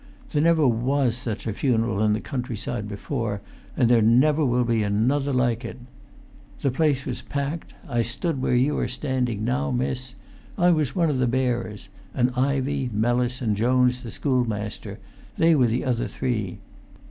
There never was such a funeral in the countryside before, and there never will be another like it. The place was packed. I stood where you are standing now, miss. I was one o' the bearers; and Ivey, Mellis, and Jones the schoolmaster, they were the other three.